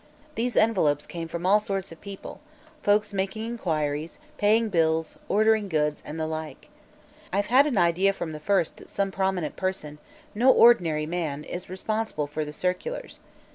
These envelopes came from all sorts of people folks making inquiries, paying bills, ordering goods, and the like. I've had an idea from the first that some prominent person no ordinary man is responsible for the circulars.